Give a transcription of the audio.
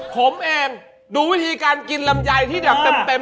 ผมเองดูวิธีการกินลำไยที่แบบเต็ม